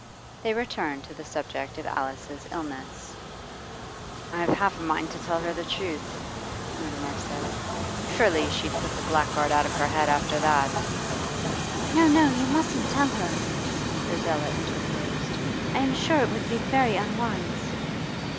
They returned to the subject of Alice's illness. 'I've half a mind to tell her the truth,' Mutimer said. 'Surely she'd put the blackguard out of her head after that.' 'No, no; you mustn't tell her!' Adela interposed. 'I am sure it would be very unwise.